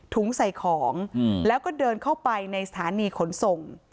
ใส่ของแล้วก็เดินเข้าไปในสถานีขนส่ง